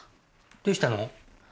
どうしたの？